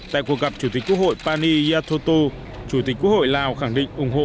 tại cuộc gặp chủ tịch quốc hội pani yathotu chủ tịch quốc hội lào khẳng định ủng hộ